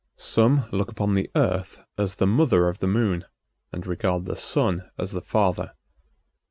Some look upon the Earth as the mother of the Moon, and regard the Sun as the father.